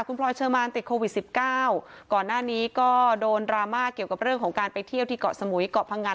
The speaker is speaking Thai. คุณพลอยเชอร์มานติดโควิด๑๙ก่อนหน้านี้ก็โดนดราม่าเกี่ยวกับเรื่องของการไปเที่ยวที่เกาะสมุยเกาะพังงัน